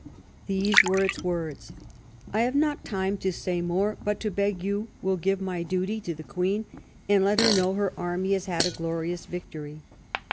These were its words :" I have not time to say more, but to beg you will give my duty to the Queen, and let her know Her Army has had a Glorious Victory.